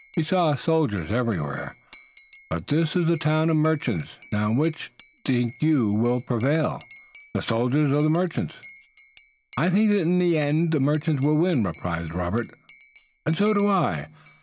You saw soldiers everywhere, but this is a town of merchants. Now which, think you, will prevail, the soldiers or the merchants?" "I think that in the end the merchants will win," replied Robert. "And so do I.